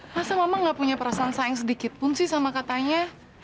masa mama nggak punya perasaan sayang sedikit pun sih sama katanya